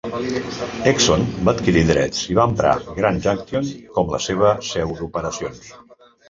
Exxon va adquirir drets i va emprar Grand Junction com la seva seu d'operacions.